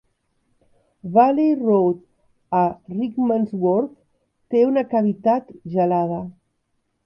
Valley Road a Rickmansworth té una cavitat gelada.